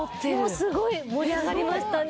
すごい盛り上がりましたね。